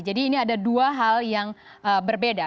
ini ada dua hal yang berbeda